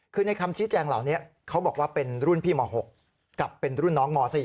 คือในคำชี้แจงเหล่านี้เขาบอกว่าเป็นรุ่นพี่ม๖กับเป็นรุ่นน้องม๔